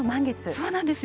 そうなんですよ。